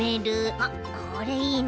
あっこれいいね。